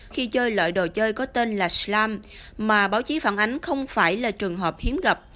khi chơi loại đồ chơi có tên là slam mà báo chí phản ánh không phải là trường hợp hiếm gặp